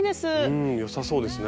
うんよさそうですね。